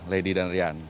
lady dan rian